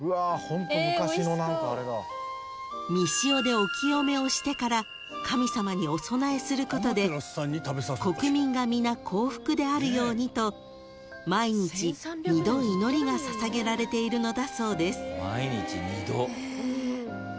［御塩でお清めをしてから神様にお供えすることで国民が皆幸福であるようにと毎日二度祈りが捧げられているのだそうです］